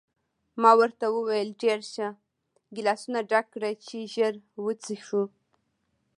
ما ورته وویل: ډېر ښه، ګیلاسونه ډک کړه چې ژر وڅښو.